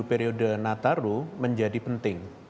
periode natal menjadi penting